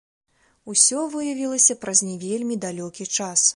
Усё выявілася праз не вельмі далёкі час.